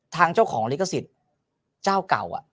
ทางเจ้าของลิขสิทธิ์เจ้าเก่า